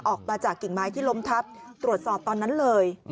ออกมาจากกิ่งไม้ที่ล้มทับตรวจสอบตอนนั้นเลย